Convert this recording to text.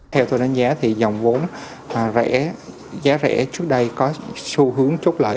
theo tôi đánh giá thì dòng vốn rẻ giá rẻ trước đây có xu hướng chút lợi